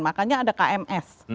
makanya ada kms